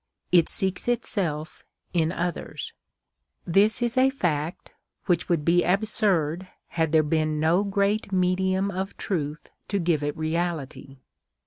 It seeks itself in others. This is a fact, which would be absurd had there been no great medium of truth to give it reality.